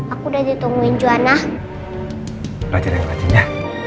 aku udah ditungguin juwana